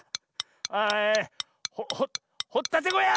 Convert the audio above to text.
あほったてごや！